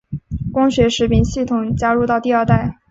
光学识别系统加入到第二代。